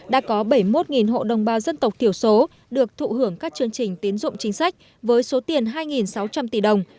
đã có bảy mươi một hộ đồng bào dân tộc thiểu số được thụ hưởng các chương trình tiến dụng chính sách với số tiền hai sáu trăm linh tỷ đồng